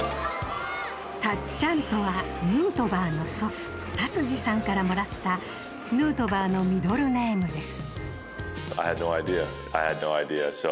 たっちゃんとはヌートバーの祖父達治さんさんからもらったヌートバーのミドルネームです。